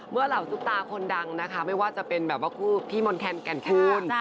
เมื่อเหล่าจุ๊บตาคนดังนะคะไม่ว่าจะเป็นแบบว่าพี่มนต์แคลนด์แก่นคูณ